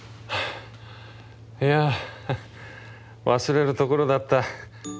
いや忘れるところだった。